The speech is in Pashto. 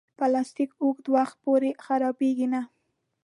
پلاستيک اوږد وخت پورې خرابېږي نه.